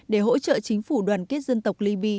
để hỗ trợ chính phủ đoàn kết dân tộc liby